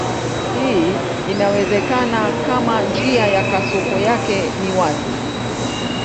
Hii inawezekana kama njia ya kasoko yake ni wazi.